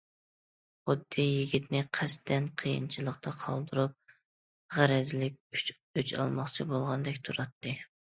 خۇددى يىگىتنى قەستەن قىيىنچىلىقتا قالدۇرۇپ، غەرەزلىك ئۆچ ئالماقچى بولغاندەك تۇراتتى.